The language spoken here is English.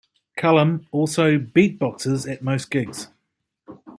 Cullum also beatboxes at most gigs.